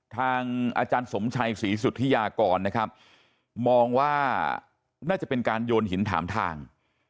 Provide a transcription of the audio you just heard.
ทางอาจารย์สมชัยศรีสุธิยากรนะครับมองว่าน่าจะเป็นการโยนหินถามทาง